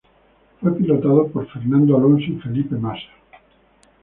Fue pilotado por Fernando Alonso y Felipe Massa.